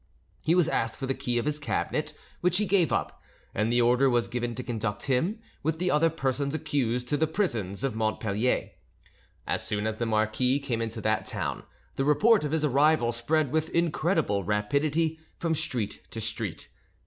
He was asked for the key of his cabinet, which he gave up, and the order was given to conduct him, with the other persons accused, to the prisons of Montpellier. As soon as the marquis came into that town, the report of his arrival spread with incredible rapidity from street to street.